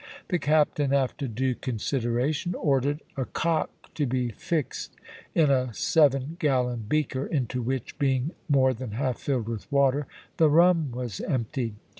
The captain, after due consideration, ordered a cock to be fixed in a seven gallon beaker, into which, being more than half filled with water, the rum was emptied.